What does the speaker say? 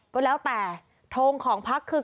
ก็แล้วแต่โทงของภักดิ์คือ